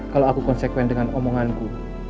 kalau aku konsekuen dengan omonganku